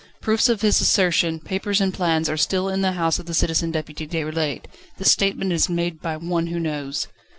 proofs of his assertion, papers and plans, are still in the house of the Citizen Deputy Déroulède. This statement is made by one who knows.